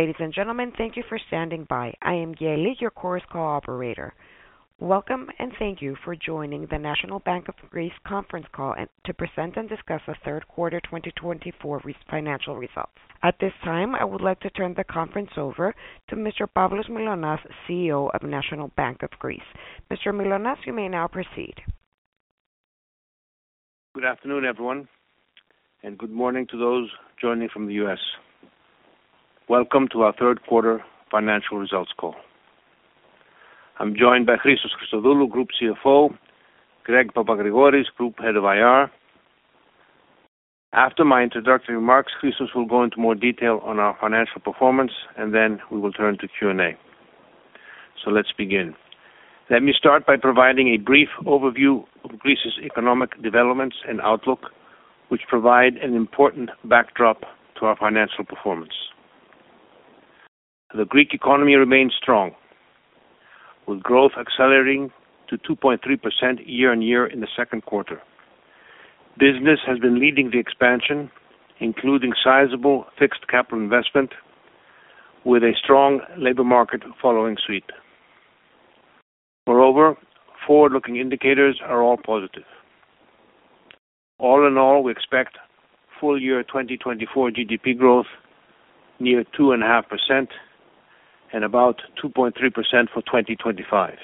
Ladies and gentlemen, thank you for standing by. I am Yaeli, your call operator. Welcome and thank you for joining the National Bank of Greece conference call to present and discuss the third quarter 2024 financial results. At this time, I would like to turn the conference over to Mr. Pavlos Mylonas, CEO of National Bank of Greece. Mr. Mylonas, you may now proceed. Good afternoon, everyone, and good morning to those joining from the U.S. Welcome to our third quarter financial results call. I'm joined by Christos Christodoulou, Group CFO, Greg Papagrigoris, Group Head of IR. After my introductory remarks, Christos will go into more detail on our financial performance, and then we will turn to Q&A. So let's begin. Let me start by providing a brief overview of Greece's economic developments and outlook, which provide an important backdrop to our financial performance. The Greek economy remains strong, with growth accelerating to 2.3% year-on-year in the second quarter. Business has been leading the expansion, including sizable fixed capital investment, with a strong labor market following suit. Moreover, forward-looking indicators are all positive. All in all, we expect full year 2024 GDP growth near 2.5% and about 2.3% for 2025.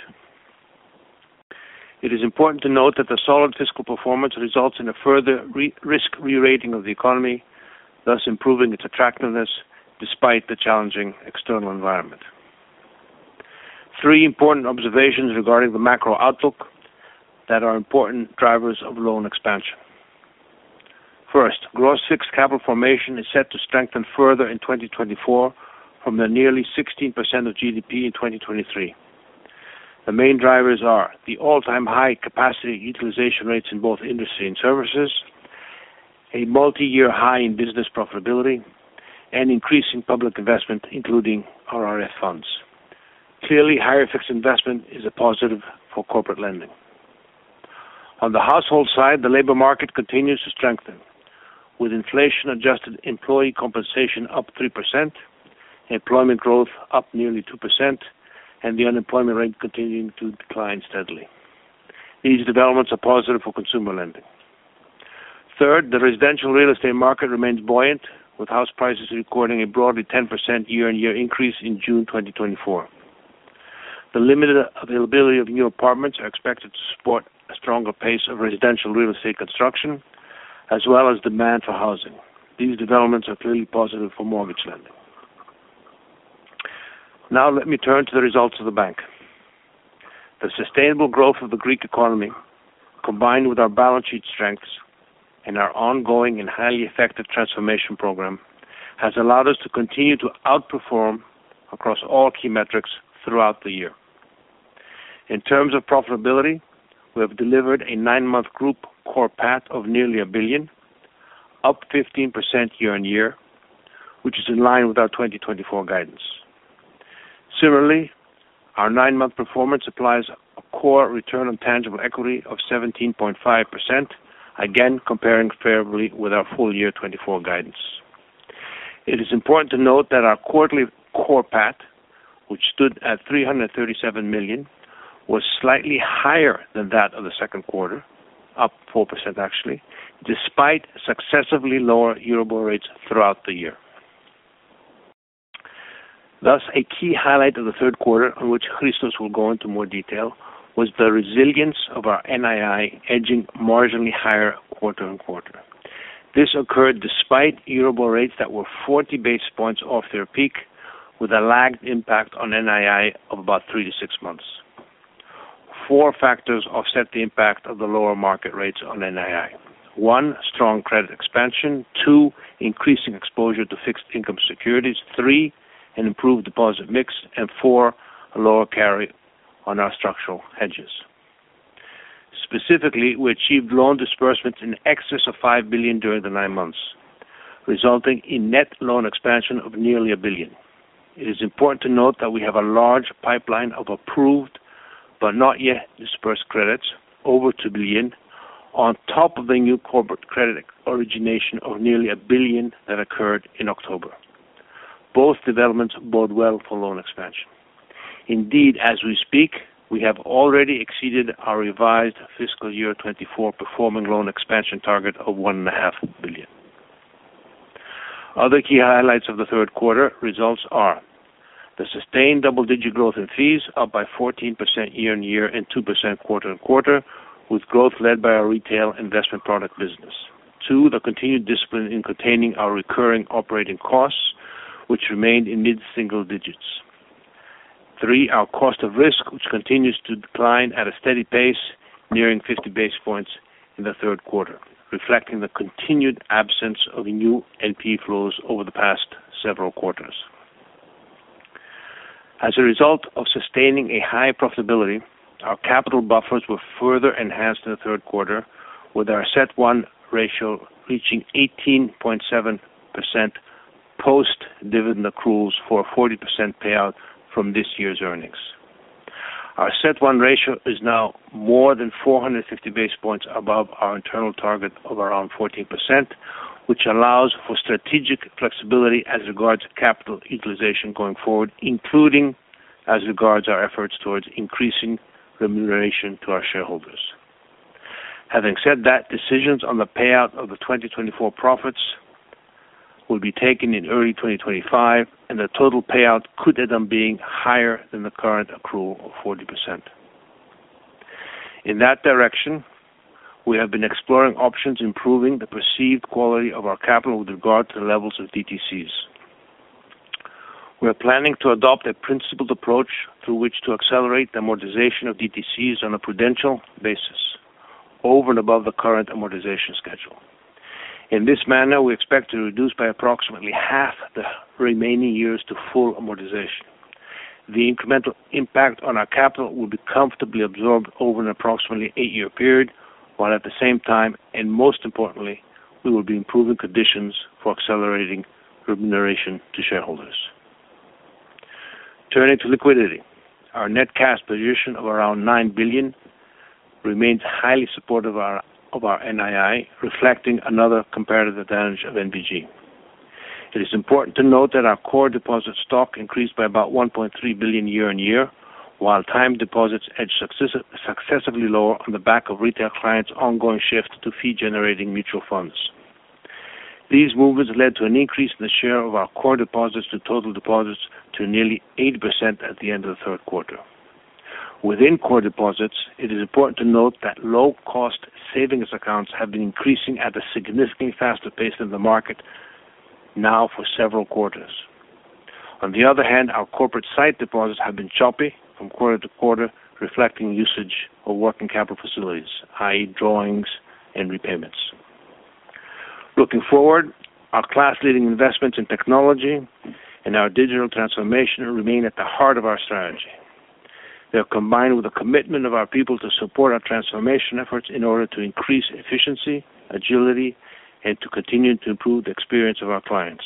It is important to note that the solid fiscal performance results in a further risk re-rating of the economy, thus improving its attractiveness despite the challenging external environment. Three important observations regarding the macro outlook that are important drivers of loan expansion. First, gross fixed capital formation is set to strengthen further in 2024 from the nearly 16% of GDP in 2023. The main drivers are the all-time high capacity utilization rates in both industry and services, a multi-year high in business profitability, and increasing public investment, including RRF funds. Clearly, higher fixed investment is a positive for corporate lending. On the household side, the labor market continues to strengthen, with inflation-adjusted employee compensation up 3%, employment growth up nearly 2%, and the unemployment rate continuing to decline steadily. These developments are positive for consumer lending. Third, the residential real estate market remains buoyant, with house prices recording a broadly 10% year-on-year increase in June 2024. The limited availability of new apartments is expected to support a stronger pace of residential real estate construction, as well as demand for housing. These developments are clearly positive for mortgage lending. Now, let me turn to the results of the bank. The sustainable growth of the Greek economy, combined with our balance sheet strengths and our ongoing and highly effective transformation program, has allowed us to continue to outperform across all key metrics throughout the year. In terms of profitability, we have delivered a nine-month group core PAT of nearly 1 billion, up 15% year-on-year, which is in line with our 2024 guidance. Similarly, our nine-month performance applies a core return on tangible equity of 17.5%, again comparing favorably with our full year 2024 guidance. It is important to note that our quarterly core PAT, which stood at 337 million, was slightly higher than that of the second quarter, up 4% actually, despite successively lower year-over-year rates throughout the year. Thus, a key highlight of the third quarter, on which Christos will go into more detail, was the resilience of our NII edging marginally higher quarter-on-quarter. This occurred despite year-over-year rates that were 40 basis points off their peak, with a lagged impact on NII of about three to six months. Four factors offset the impact of the lower market rates on NII: one, strong credit expansion, two, increasing exposure to fixed income securities, three, an improved deposit mix, and four, a lower carry on our structural hedges. Specifically, we achieved loan disbursements in excess of 5 billion during the nine months, resulting in net loan expansion of nearly 1 billion. It is important to note that we have a large pipeline of approved but not yet disbursed credits, over 2 billion, on top of a new corporate credit origination of nearly 1 billion that occurred in October. Both developments bode well for loan expansion. Indeed, as we speak, we have already exceeded our revised fiscal year 2024 performing loan expansion target of 1.5 billion. Other key highlights of the third quarter results are: the sustained double-digit growth in fees, up by 14% year-on-year and 2% quarter-on-quarter, with growth led by our retail investment product business. Two, the continued discipline in containing our recurring operating costs, which remained in mid-single digits. Three, our cost of risk, which continues to decline at a steady pace, nearing 50 basis points in the third quarter, reflecting the continued absence of new NPE flows over the past several quarters. As a result of sustaining a high profitability, our capital buffers were further enhanced in the third quarter, with our CET1 ratio reaching 18.7% post-dividend accruals for a 40% payout from this year's earnings. Our CET1 ratio is now more than 450 basis points above our internal target of around 14%, which allows for strategic flexibility as regards capital utilization going forward, including as regards our efforts towards increasing remuneration to our shareholders. Having said that, decisions on the payout of the 2024 profits will be taken in early 2025, and the total payout could end up being higher than the current accrual of 40%. In that direction, we have been exploring options improving the perceived quality of our capital with regard to the levels of DTCs. We are planning to adopt a principled approach through which to accelerate the amortization of DTCs on a prudential basis, over and above the current amortization schedule. In this manner, we expect to reduce by approximately half the remaining years to full amortization. The incremental impact on our capital will be comfortably absorbed over an approximately eight-year period, while at the same time, and most importantly, we will be improving conditions for accelerating remuneration to shareholders. Turning to liquidity, our net cash position of around nine billion remains highly supportive of our NII, reflecting another comparative advantage of NBG. It is important to note that our core deposit stock increased by about 1.3 billion year-on-year, while time deposits edged successively lower on the back of retail clients' ongoing shift to fee-generating mutual funds. These movements led to an increase in the share of our core deposits to total deposits to nearly 8% at the end of the third quarter. Within core deposits, it is important to note that low-cost savings accounts have been increasing at a significantly faster pace than the market now for several quarters. On the other hand, our corporate side deposits have been choppy from quarter to quarter, reflecting usage of working capital facilities, i.e., drawings and repayments. Looking forward, our class-leading investments in technology and our digital transformation remain at the heart of our strategy. They are combined with the commitment of our people to support our transformation efforts in order to increase efficiency, agility, and to continue to improve the experience of our clients.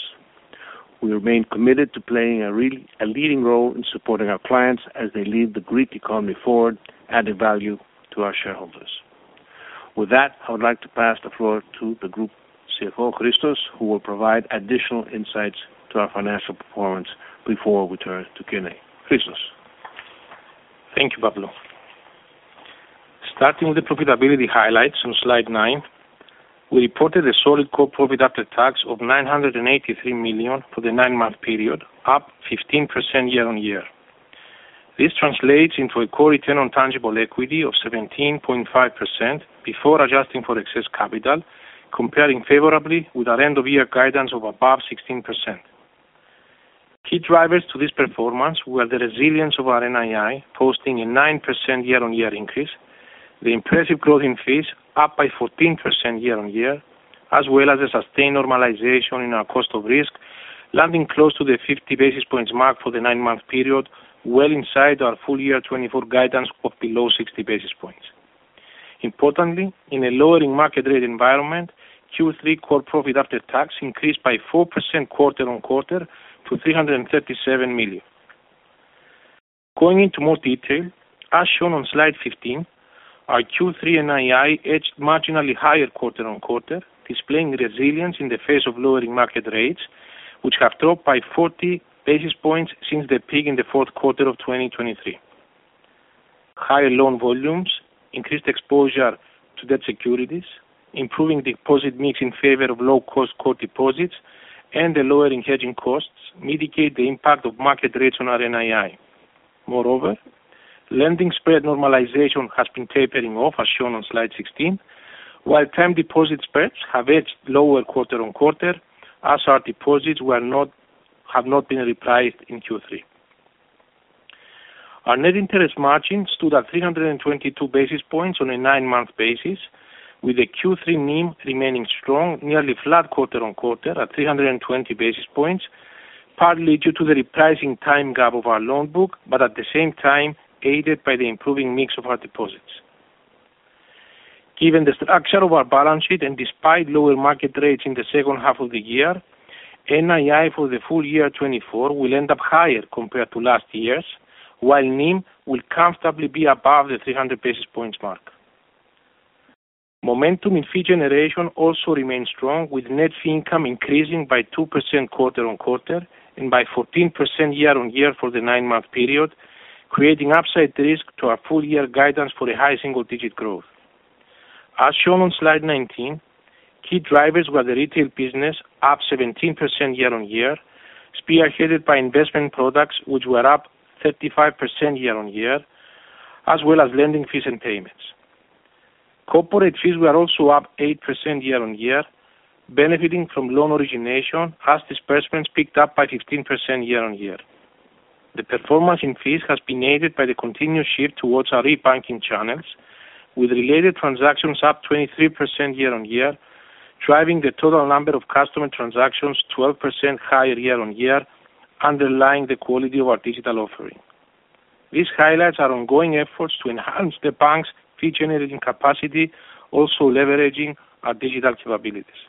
We remain committed to playing a leading role in supporting our clients as they lead the Greek economy forward, adding value to our shareholders. With that, I would like to pass the floor to the Group CFO, Christos, who will provide additional insights to our financial performance before we turn to Christos. Thank you, Pavlos. Starting with the profitability highlights on slide nine, we reported a solid core profit after tax of 983 million for the nine-month period, up 15% year-on-year. This translates into a core return on tangible equity of 17.5% before adjusting for excess capital, comparing favorably with our end-of-year guidance of above 16%. Key drivers to this performance were the resilience of our NII, posting a 9% year-on-year increase, the impressive growth in fees, up by 14% year-on-year, as well as a sustained normalization in our cost of risk, landing close to the 50 basis points mark for the nine-month period, well inside our full year 2024 guidance of below 60 basis points. Importantly, in a lowering market rate environment, Q3 core profit after tax increased by 4% quarter-on-quarter to 337 million. Going into more detail, as shown on slide 15, our Q3 NII edged marginally higher quarter-on-quarter, displaying resilience in the face of lowering market rates, which have dropped by 40 basis points since the peak in the fourth quarter of 2023. Higher loan volumes, increased exposure to debt securities, improving deposit mix in favor of low-cost core deposits, and the lowering hedging costs mitigate the impact of market rates on our NII. Moreover, lending spread normalization has been tapering off, as shown on slide 16, while time deposit spreads have edged lower quarter-on-quarter, as our deposits have not been repriced in Q3. Our net interest margin stood at 322 basis points on a nine-month basis, with the Q3 NIM remaining strong, nearly flat quarter-on-quarter at 320 basis points, partly due to the repricing time gap of our loan book, but at the same time aided by the improving mix of our deposits. Given the structure of our balance sheet and despite lower market rates in the second half of the year, NII for the full year 2024 will end up higher compared to last years, while NIM will comfortably be above the 300 basis points mark. Momentum in fee generation also remains strong, with net fee income increasing by 2% quarter-on-quarter and by 14% year-on-year for the nine-month period, creating upside risk to our full year guidance for a high single-digit growth. As shown on slide 19, key drivers were the retail business, up 17% year-on-year, spearheaded by investment products, which were up 35% year-on-year, as well as lending fees and payments. Corporate fees were also up 8% year-on-year, benefiting from loan origination, as disbursements picked up by 15% year-on-year. The performance in fees has been aided by the continued shift towards our e-banking channels, with related transactions up 23% year-on-year, driving the total number of customer transactions 12% higher year-on-year, underlying the quality of our digital offering. This highlights our ongoing efforts to enhance the bank's fee-generating capacity, also leveraging our digital capabilities.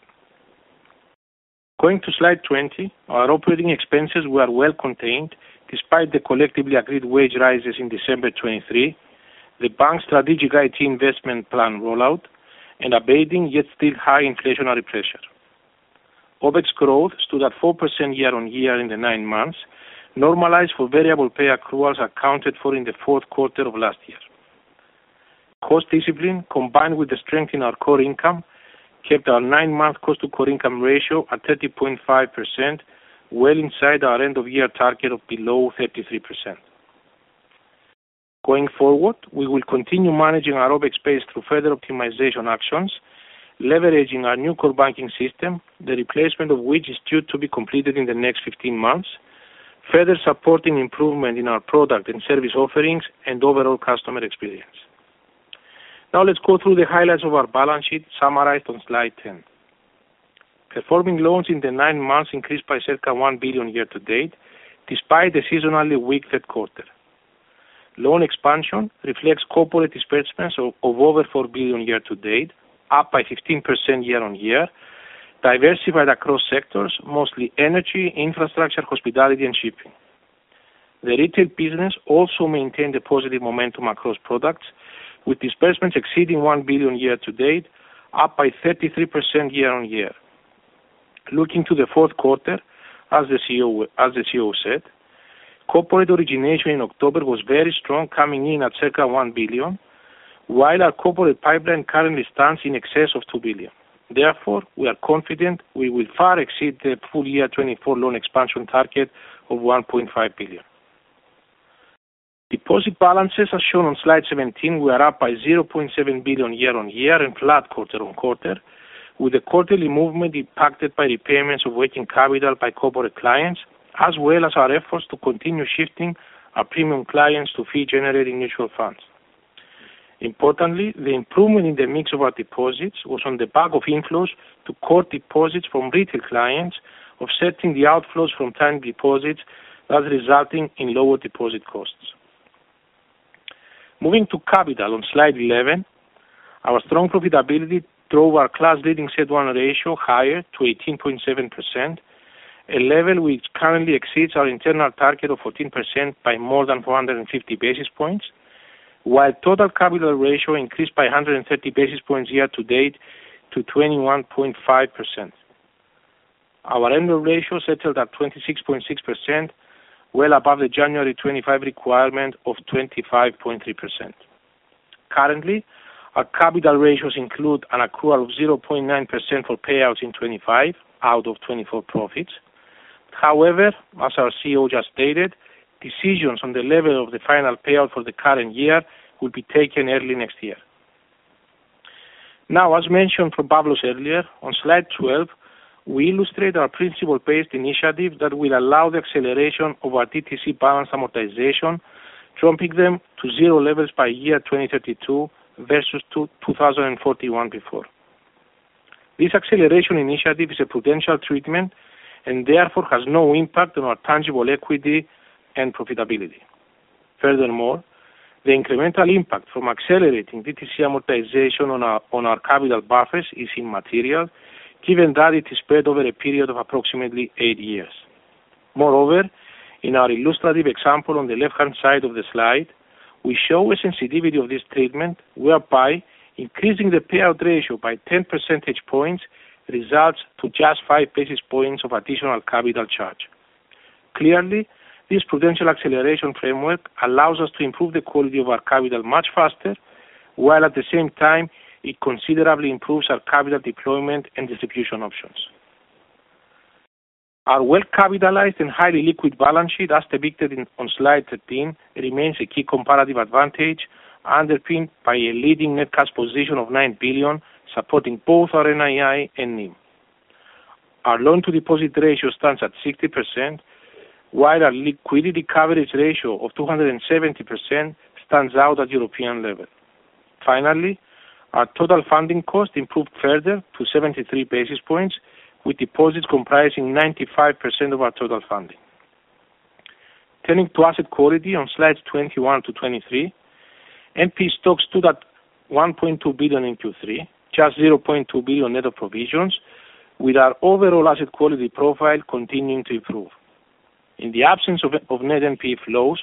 Going to slide 20, our operating expenses were well contained despite the collectively agreed wage rises in December 2023, the bank's strategic IT investment plan rollout, and abating yet still high inflationary pressure. OpEx growth stood at 4% year-on-year in the nine months, normalized for variable pay accruals accounted for in the fourth quarter of last year. Cost discipline, combined with the strength in our core income, kept our nine-month cost-to-core income ratio at 30.5%, well inside our end-of-year target of below 33%. Going forward, we will continue managing our OpEx base through further optimization actions, leveraging our new core banking system, the replacement of which is due to be completed in the next 15 months, further supporting improvement in our product and service offerings and overall customer experience. Now let's go through the highlights of our balance sheet summarized on slide 10. Performing loans in the nine months increased by circa 1 billion year-to-date, despite the seasonally weak third quarter. Loan expansion reflects corporate disbursements of over 4 billion year-to-date, up by 15% year-on-year, diversified across sectors, mostly energy, infrastructure, hospitality, and shipping. The retail business also maintained a positive momentum across products, with disbursements exceeding 1 billion year-to-date, up by 33% year-on-year. Looking to the fourth quarter, as the CEO said, corporate origination in October was very strong, coming in at circa 1 billion, while our corporate pipeline currently stands in excess of 2 billion. Therefore, we are confident we will far exceed the full-year 2024 loan expansion target of 1.5 billion. Deposit balances, as shown on slide 17, were up by 0.7 billion year-on-year and flat quarter-on-quarter, with the quarterly movement impacted by repayments of working capital by corporate clients, as well as our efforts to continue shifting our premium clients to fee-generating mutual funds. Importantly, the improvement in the mix of our deposits was on the back of inflows to core deposits from retail clients, offsetting the outflows from time deposits, thus resulting in lower deposit costs. Moving to capital on slide 11, our strong profitability drove our class-leading CET1 ratio higher to 18.7%, a level which currently exceeds our internal target of 14% by more than 450 basis points, while total capital ratio increased by 130 basis points year-to-date to 21.5%. Our end-of-period ratio settled at 26.6%, well above the January 2025 requirement of 25.3%. Currently, our capital ratios include an accrual of 0.9% for payouts in 2025 out of 2024 profits. However, as our CEO just stated, decisions on the level of the final payout for the current year will be taken early next year. Now, as mentioned from Pavlos earlier, on slide 12, we illustrate our principle-based initiative that will allow the acceleration of our DTC balance amortization, dropping them to zero levels by year 2032 versus 2041 before. This acceleration initiative is a prudential treatment and therefore has no impact on our tangible equity and profitability. Furthermore, the incremental impact from accelerating DTC amortization on our capital buffers is immaterial, given that it is spread over a period of approximately eight years. Moreover, in our illustrative example on the left-hand side of the slide, we show a sensitivity of this treatment whereby increasing the payout ratio by 10 percentage points results in just 5 basis points of additional capital charge. Clearly, this prudential acceleration framework allows us to improve the quality of our capital much faster, while at the same time, it considerably improves our capital deployment and distribution options. Our well-capitalized and highly liquid balance sheet, as depicted on slide 13, remains a key comparative advantage, underpinned by a leading net cash position of 9 billion, supporting both our NII and NIM. Our loan-to-deposit ratio stands at 60%, while our liquidity coverage ratio of 270% stands out at European level. Finally, our total funding cost improved further to 73 basis points, with deposits comprising 95% of our total funding. Turning to asset quality on slides 21 to 23, NPE stock stood at 1.2 billion in Q3, just 0.2 billion net of provisions, with our overall asset quality profile continuing to improve. In the absence of net NPE flows,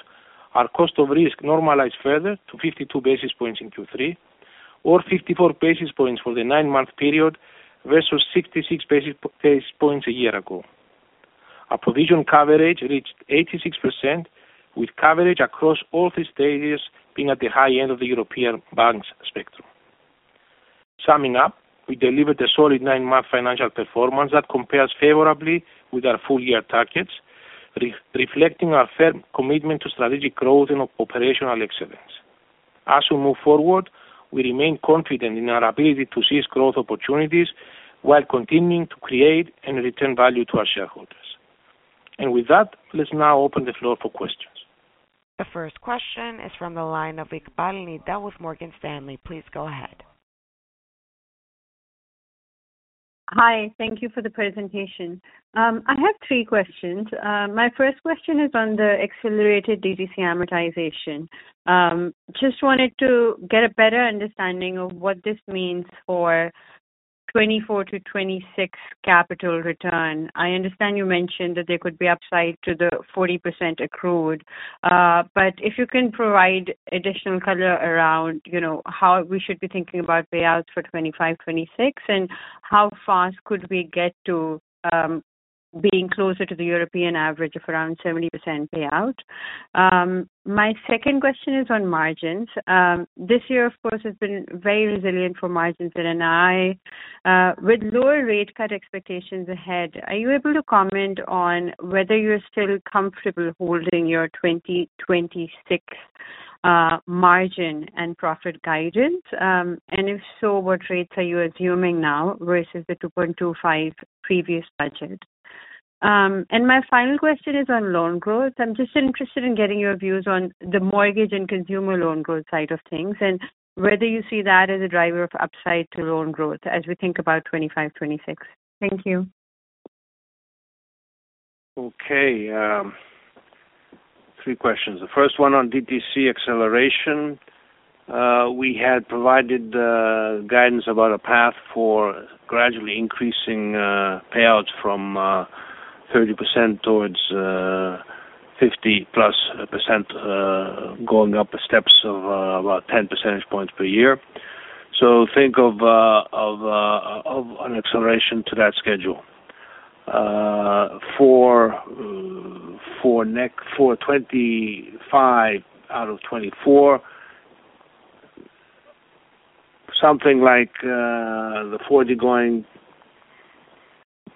our cost of risk normalized further to 52 basis points in Q3, or 54 basis points for the nine-month period versus 66 basis points a year ago. Our provision coverage reached 86%, with coverage across all three stages being at the high end of the European banks' spectrum. Summing up, we delivered a solid nine-month financial performance that compares favorably with our full year targets, reflecting our firm commitment to strategic growth and operational excellence. As we move forward, we remain confident in our ability to seize growth opportunities while continuing to create and return value to our shareholders, and with that, let's now open the floor for questions. The first question is from the line of Nida Iqbal with Morgan Stanley. Please go ahead. Hi. Thank you for the presentation. I have three questions. My first question is on the accelerated DTC amortization. Just wanted to get a better understanding of what this means for 2024-2026 capital return. I understand you mentioned that there could be upside to the 40% accrued, but if you can provide additional color around how we should be thinking about payouts for 2025, 2026, and how fast could we get to being closer to the European average of around 70% payout? My second question is on margins. This year, of course, has been very resilient for margins and NII, with lower rate cut expectations ahead. Are you able to comment on whether you're still comfortable holding your 2026 margin and profit guidance? And if so, what rates are you assuming now versus the 2.25 previous budget? And my final question is on loan growth. I'm just interested in getting your views on the mortgage and consumer loan growth side of things and whether you see that as a driver of upside to loan growth as we think about 2025, 2026. Thank you. Okay. Three questions. The first one on DTC acceleration. We had provided guidance about a path for gradually increasing payouts from 30% towards 50-plus %, going up the steps of about 10 percentage points per year. So think of an acceleration to that schedule. For 2025 out of 2024, something like the 40% going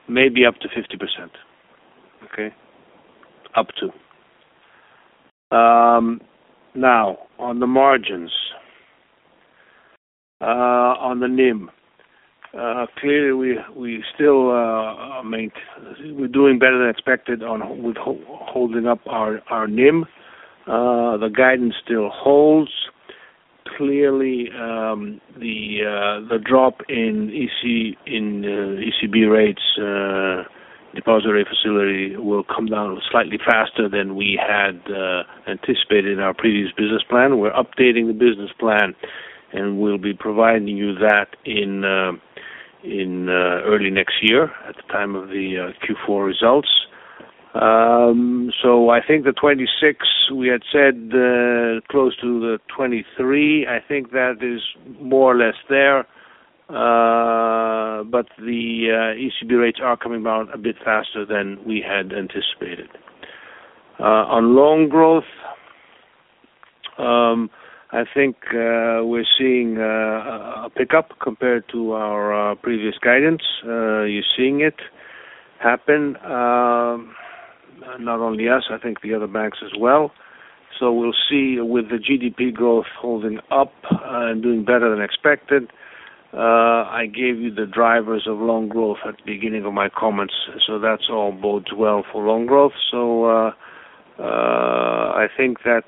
maybe up to 50%, okay? Up to. Now, on the margins, on the NIM, clearly we still are doing better than expected with holding up our NIM. The guidance still holds. Clearly, the drop in ECB deposit facility rate will come down slightly faster than we had anticipated in our previous business plan. We're updating the business plan, and we'll be providing you that in early next year at the time of the Q4 results. So I think the 26 we had said close to the 23, I think that is more or less there, but the ECB rates are coming down a bit faster than we had anticipated. On loan growth, I think we're seeing a pickup compared to our previous guidance. You're seeing it happen, not only us, I think the other banks as well. So we'll see with the GDP growth holding up and doing better than expected. I gave you the drivers of loan growth at the beginning of my comments, so that's all bodes well for loan growth. So I think that,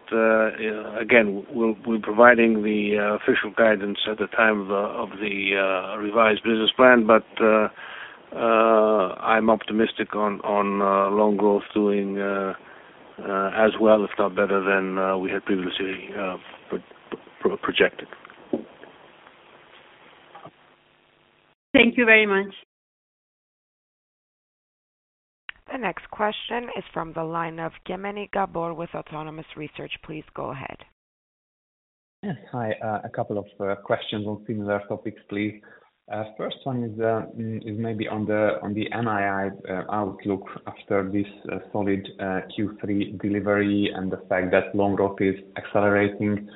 again, we'll be providing the official guidance at the time of the revised business plan, but I'm optimistic on loan growth doing as well, if not better than we had previously projected. Thank you very much. The next question is from the line of Gabor Kemeny with Autonomous Research. Please go ahead. Yes. Hi. A couple of questions on similar topics, please. First one is maybe on the NII outlook after this solid Q3 delivery and the fact that loan growth is accelerating.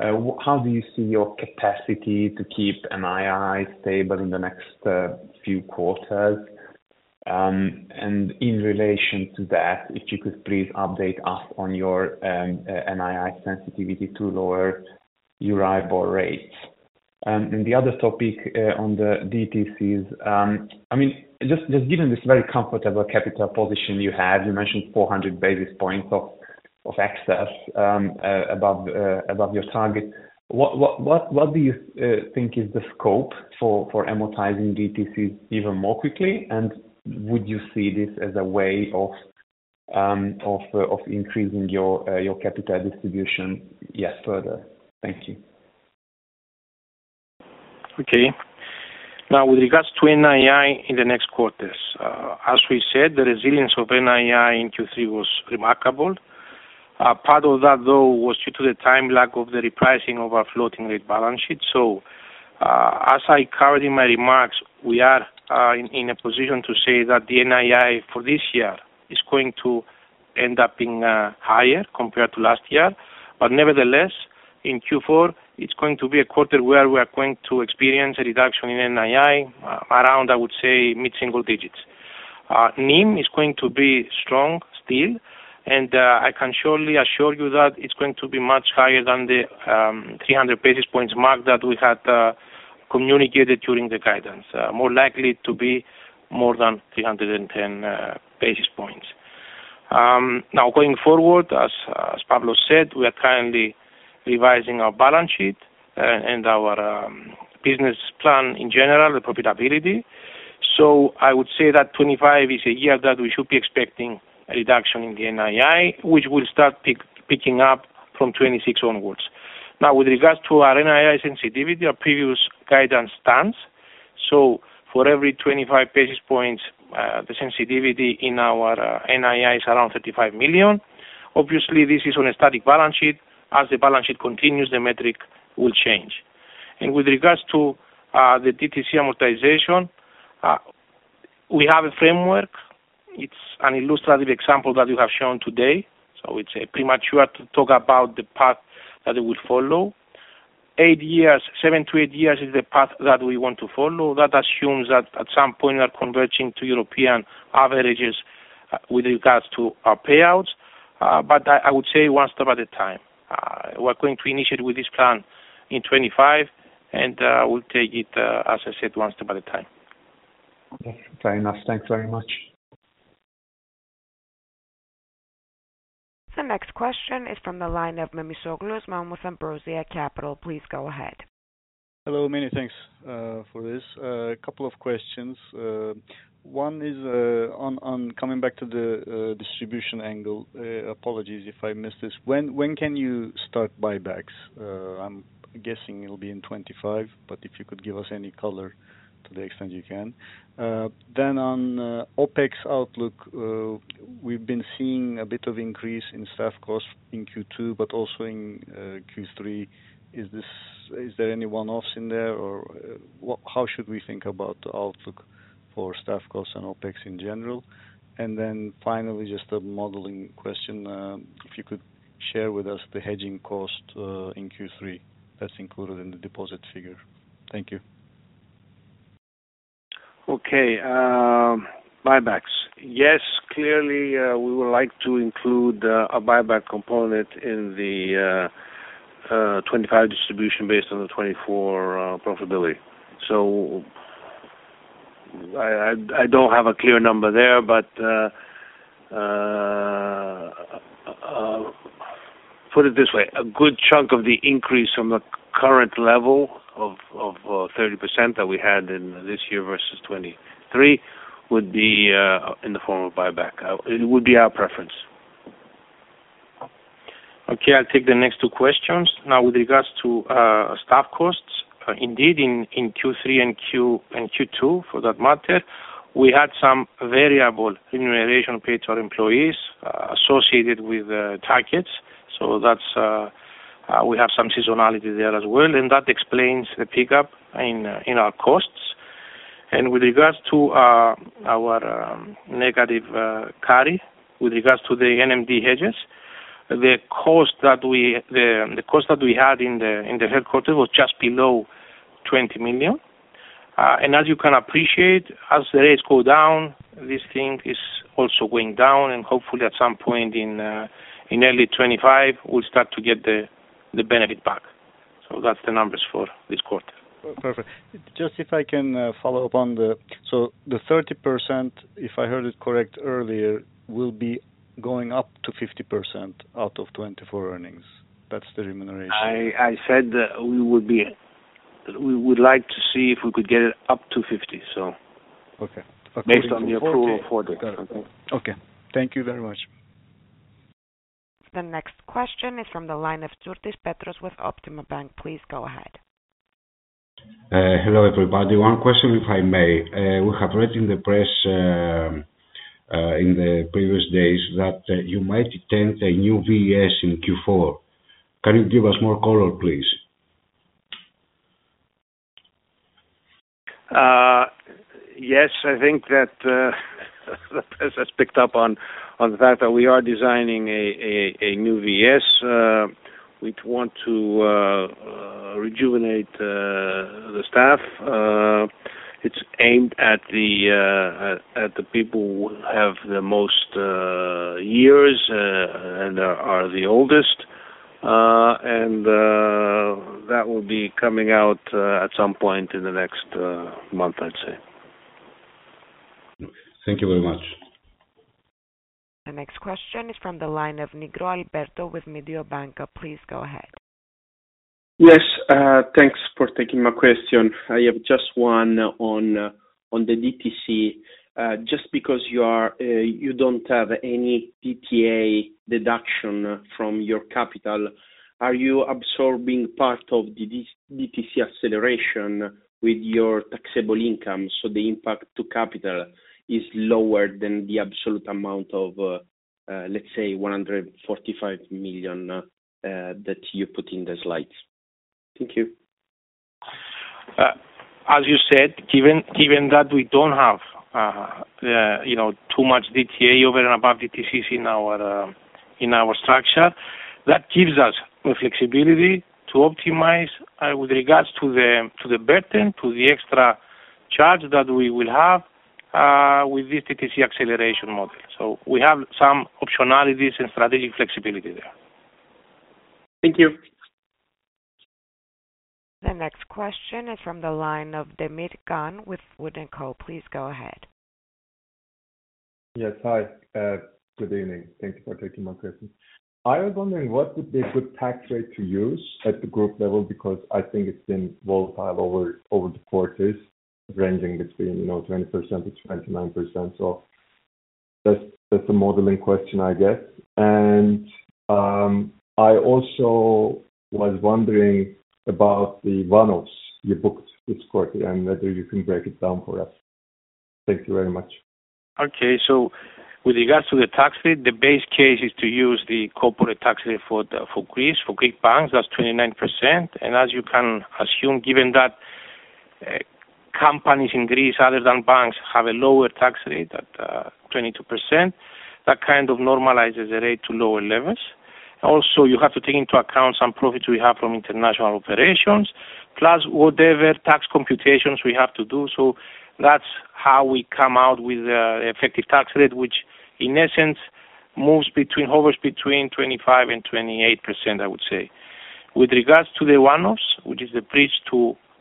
How do you see your capacity to keep NII stable in the next few quarters? And in relation to that, if you could please update us on your NII sensitivity to lower Euribor rates. And the other topic on the DTCs, I mean, just given this very comfortable capital position you have, you mentioned 400 basis points of excess above your target. What do you think is the scope for amortizing DTCs even more quickly? And would you see this as a way of increasing your capital distribution yet further? Thank you. Okay. Now, with regards to NII in the next quarters, as we said, the resilience of NII in Q3 was remarkable. Part of that, though, was due to the time lag of the repricing of our floating rate balance sheet. So as I covered in my remarks, we are in a position to say that the NII for this year is going to end up being higher compared to last year. But nevertheless, in Q4, it's going to be a quarter where we are going to experience a reduction in NII around, I would say, mid-single digits. NIM is going to be strong still, and I can surely assure you that it's going to be much higher than the 300 basis points mark that we had communicated during the guidance, more likely to be more than 310 basis points. Now, going forward, as Pavlos said, we are currently revising our balance sheet and our business plan in general, the profitability. So I would say that 2025 is a year that we should be expecting a reduction in the NII, which will start picking up from 2026 onwards. Now, with regards to our NII sensitivity, our previous guidance stands. So for every 25 basis points, the sensitivity in our NII is around 35 million. Obviously, this is on a static balance sheet. As the balance sheet continues, the metric will change, and with regards to the DTC amortization, we have a framework. It's an illustrative example that you have shown today. So it's premature to talk about the path that it will follow. 7-8 years is the path that we want to follow. That assumes that at some point, we are converging to European averages with regards to our payouts. But I would say one step at a time. We're going to initiate with this plan in 2025, and we'll take it, as I said, one step at a time. Okay. Fair enough. Thanks very much. The next question is from the line of Osman Memisoglu, Ambrosia Capital. Please go ahead. Hello, Many thanks for this. A couple of questions. One is on coming back to the distribution angle. Apologies if I missed this. When can you start buybacks? I'm guessing it'll be in 2025, but if you could give us any color to the extent you can. Then on OpEx outlook, we've been seeing a bit of increase in staff costs in Q2, but also in Q3. Is there any one-offs in there, or how should we think about the outlook for staff costs and OpEx in general? And then finally, just a modeling question. If you could share with us the hedging cost in Q3 that's included in the deposit figure. Thank you. Okay. Buybacks. Yes, clearly, we would like to include a buyback component in the 2025 distribution based on the 2024 profitability. So I don't have a clear number there, but put it this way. A good chunk of the increase from the current level of 30% that we had in this year versus 2023 would be in the form of buyback. It would be our preference. Okay. I'll take the next two questions. Now, with regards to staff costs, indeed, in Q3 and Q2 for that matter, we had some variable remuneration paid to our employees associated with targets. So we have some seasonality there as well. And that explains the pickup in our costs. And with regards to our negative carry, with regards to the NMD hedges, the cost that we had in the quarter was just below 20 million. And as you can appreciate, as the rates go down, this thing is also going down. And hopefully, at some point in early 2025, we'll start to get the benefit back. So that's the numbers for this quarter. Perfect. Just if I can follow up on the so the 30%, if I heard it correct earlier, will be going up to 50% out of 2024 earnings. That's the remuneration. I said we would like to see if we could get it up to 50, so based on the approval for the. Okay. Thank you very much. The next question is from the line of Petros Tsourtis with Optima Bank. Please go ahead. Hello everybody. One question, if I may. We have read in the press in the previous days that you might intend a new VES in Q4. Can you give us more color, please? Yes. I think that as I picked up on the fact that we are designing a new VES, we want to rejuvenate the staff. It's aimed at the people who have the most years and are the oldest. And that will be coming out at some point in the next month, I'd say. Thank you very much. The next question is from the line of Alberto Nigro with Mediobanca. Please go ahead. Yes. Thanks for taking my question. I have just one on the DTC. Just because you don't have any DTA deduction from your capital, are you absorbing part of the DTC acceleration with your taxable income? So the impact to capital is lower than the absolute amount of, let's say, 145 million that you put in the slides. Thank you. As you said, given that we don't have too much DTA over and above DTCs in our structure, that gives us the flexibility to optimize with regards to the burden, to the extra charge that we will have with this DTC acceleration model. So we have some optionalities and strategic flexibility there. Thank you. The next question is from the line of Can Demir with Wood & Co. Please go ahead. Yes. Hi. Good evening. Thank you for taking my question. I was wondering what would be a good tax rate to use at the group level because I think it's been volatile over the quarters, ranging between 20%-29%. So that's the modeling question, I guess, and I also was wondering about the one-offs you booked this quarter and whether you can break it down for us. Thank you very much. Okay, so with regards to the tax rate, the base case is to use the corporate tax rate for Greece, for Greek banks. That's 29%. And as you can assume, given that companies in Greece, other than banks, have a lower tax rate at 22%, that kind of normalizes the rate to lower levels. Also, you have to take into account some profits we have from international operations, plus whatever tax computations we have to do. So that's how we come out with the effective tax rate, which in essence moves or hovers between 25%-28%, I would say. With regards to the one-offs, which is the bridge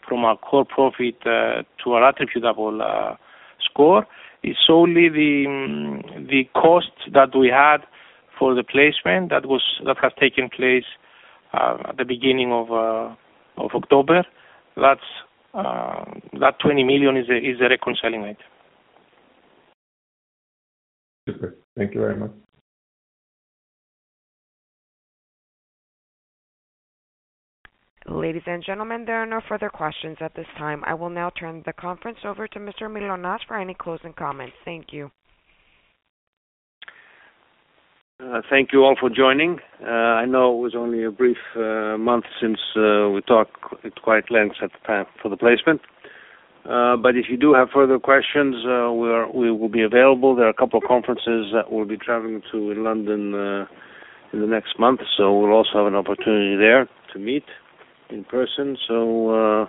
from our core profit to our attributable profit, it's solely the cost that we had for the placement that has taken place at the beginning of October. That 20 million is the reconciling item. Super. Thank you very much. Ladies and gentlemen, there are no further questions at this time. I will now turn the conference over to Mr. Mylonas for any closing comments. Thank you. Thank you all for joining. I know it was only a brief month since we talked at great length for the placement. But if you do have further questions, we will be available. There are a couple of conferences that we'll be traveling to in London in the next month. So we'll also have an opportunity there to meet in person. So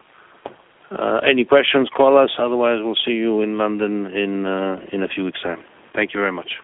any questions, call us. Otherwise, we'll see you in London in a few weeks' time. Thank you very much.